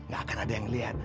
gak akan ada yang lihat